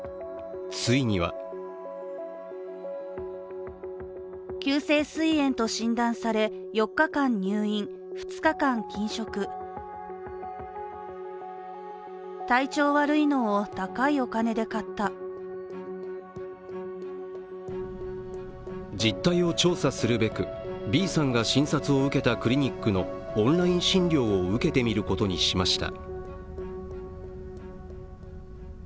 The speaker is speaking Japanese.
ついには実態を調査するべくＢさんが診察を受けたクリニックのオンライン診療を受けてみることにしました。